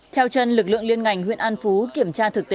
theo chân lực lượng liên ngành huyện an phú kiểm tra thực tế